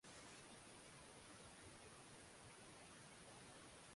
katika maandamano hayo yanayolenga kuimarisha